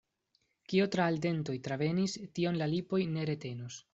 Kio tra l' dentoj travenis, tion la lipoj ne retenos.